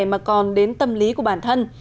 mà còn đến tâm lý của bản thân